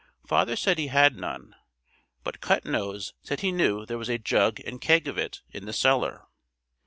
Father said he had none, but Cut Nose said he knew there was a jug and keg of it in the cellar.